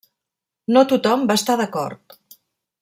No tothom va estar d'acord.